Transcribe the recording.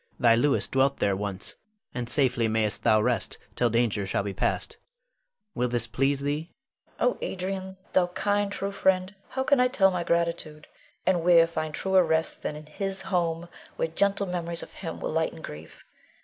Thy Louis dwelt there once, and safely mayst thou rest till danger shall be past. Will this please thee? Leonore. Oh, Adrian, thou kind, true friend, how can I tell my gratitude, and where find truer rest than in his home, where gentle memories of him will lighten grief.